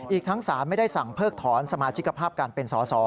อีกทั้งศาลไม่ได้สั่งเพิกถอนสมาชิกภาพการเป็นสอสอ